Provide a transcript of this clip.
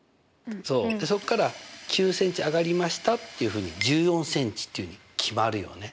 そうそこから９ｃｍ上がりましたっていうふうに１４ｃｍっていうふうに決まるよね。